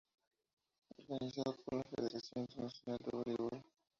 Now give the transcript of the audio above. Organizado por la Federación Internacional de Voleibol.